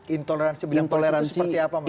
intoleransi dalam bidang politik itu seperti apa mas andi